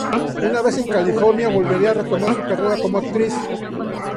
Una vez en California, volvería a retomar su carrera como actriz.